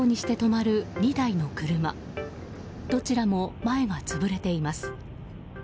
どちらも前が潰れています。